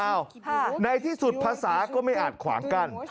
ในที่สุดภาษาก็ไม่อาจขวางกั้น